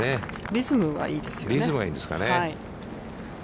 リズムがいいんですかね。